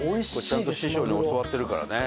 ちゃんと師匠に教わってるからね。